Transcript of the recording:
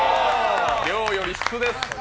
量より質です。